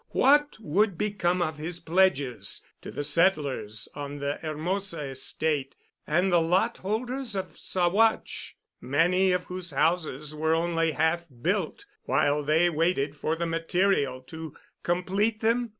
What would become of his pledges to the settlers on the Hermosa Estate—and the lot holders of Saguache, many of whose houses were only half built while they waited for the material to complete them?